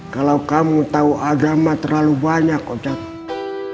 kalau kamu tahu agama terlalu banyak otaknya